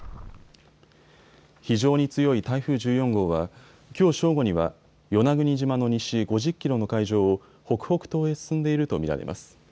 非常に強い台風１４号はきょう正午には与那国島の西５０キロの海上を北北東へ進んでいると見られます。